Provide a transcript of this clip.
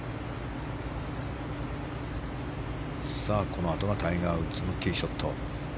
このあとはタイガー・ウッズのティーショット。